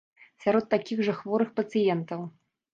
Сярод такіх жа хворых пацыентаў!